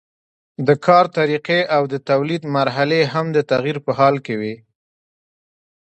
د کار طریقې او د تولید مرحلې هم د تغییر په حال کې وي.